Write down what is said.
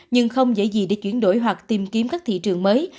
nhưng không dễ gì để chuyển đổi hoặc tìm kiếm các thị trường mới